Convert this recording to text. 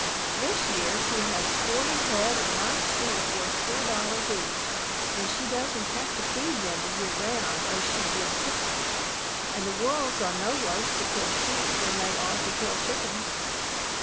This year she has forty head of nice sheep worth four dollars each, and she doesn't have to feed them the year round as she would chickens, and the wolves are no worse to kill sheep than they are to kill chickens.